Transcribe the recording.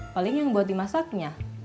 paling yang buat dimasaknya